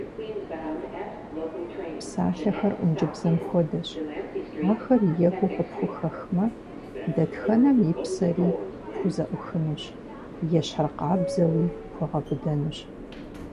Псалъэхэр ӏункӏыбзэм хуэдэщ, ахэр екӏуу къыпхухэхмэ, дэтхэнэм и псэри пхузэӏухынущ, ещхьыркъабзэуи - пхуэгъэбыдэнущ.